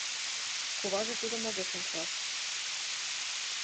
Куваже тудым огеш ончал